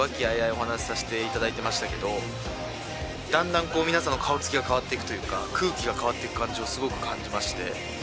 お話させていただいてましたけどだんだん皆さんの顔つきが変わっていくというか空気が変わっていく感じをすごく感じまして。